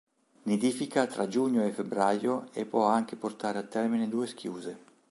Nidifica tra giugno e febbraio e può anche portare a termine due schiuse.